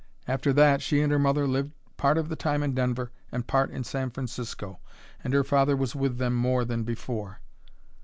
After that she and her mother lived part of the time in Denver and part in San Francisco, and her father was with them more than before.